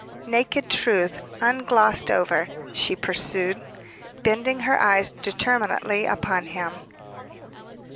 "Naked truth, unglossed over," she pursued, bending her eyes determinately upon him.